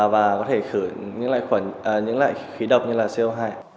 và có thể khử những loại khí độc như là co hại